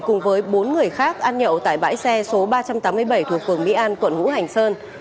cùng với bốn người khác ăn nhậu tại bãi xe số ba trăm tám mươi bảy thuộc phường mỹ an quận ngũ hành sơn